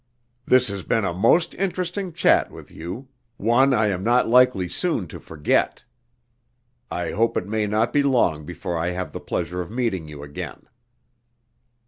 "This has been a most interesting chat with you, one I am not likely soon to forget. I hope it may not be long before I have the pleasure of meeting you again."